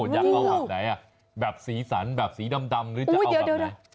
อยากเอาแบบไหนแบบสีสันแบบสีดำหรือจะเอาแบบไหน